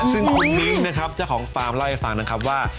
ซึ่งคุณมิ้งนะครับเจ้าของฟาร์มเล่าให้ฟังนะครับว่า